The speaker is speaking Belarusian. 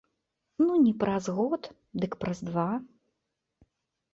Ну не праз год, дык праз два.